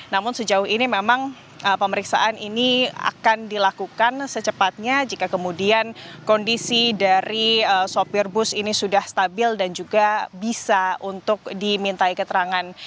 namun sejauh ini memang pemeriksaan ini akan dilakukan secepatnya jika kemudian kondisi dari sopir bus ini sudah stabil dan juga bisa untuk dimintai keterangan